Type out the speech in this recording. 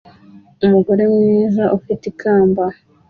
Umugore mwiza ufite ikamba